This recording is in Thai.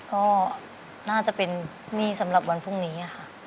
ก็น่าจะเป็นหนี้สำหรับวันพรุ่งนี้ค่ะ